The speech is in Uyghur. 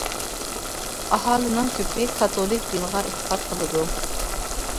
ئاھالىنىڭ كۆپى كاتولىك دىنىغا ئېتىقاد قىلىدۇ.